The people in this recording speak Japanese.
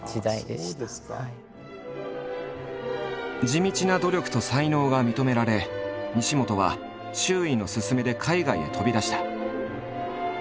地道な努力と才能が認められ西本は周囲の勧めで海外へ飛び出した。